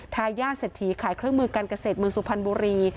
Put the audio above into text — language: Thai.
ทายาทเศรษฐีขายเครื่องมือการเกษตรเมืองสุพรรณบุรี